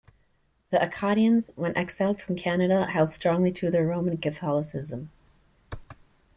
The Acadians, when exiled from Canada, held strongly to their Roman Catholicism.